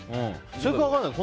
それか、分かんないよ